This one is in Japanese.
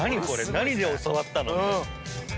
何で教わったの？